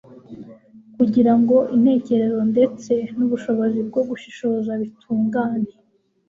kugira ngo intekerezo ndetse nubushobozi bwo gushishoza bitungane